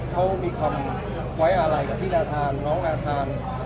เขามีคำไว้อะไรกับพี่นาธานน้องนาธาน